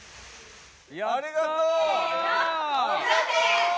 ありがとう。